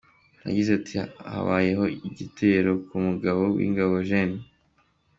Yagize Ati” Habayeho igitero ku mugaba w’ingabo Gen.